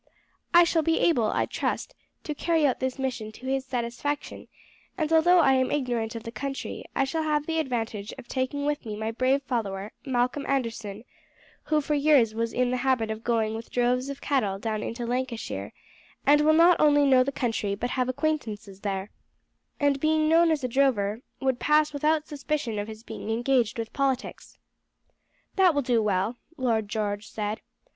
I shall be able, I trust, to carry out this mission to his satisfaction; and although I am ignorant of the country I shall have the advantage of taking with me my brave follower, Malcolm Anderson, who for years was in the habit of going with droves of cattle down into Lancashire, and will not only know the country but have acquaintances there, and being known as a drover would pass without suspicion of his being engaged with politics." "That will do well," Lord George said.